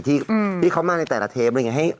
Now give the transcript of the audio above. ที่เข้ามาในแต่ละเทป